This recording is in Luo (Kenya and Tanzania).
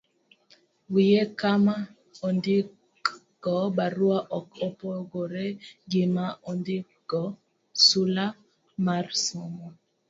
Wiye kama ondikgo barua ok opogore gi ma ondikgo sula mar somo.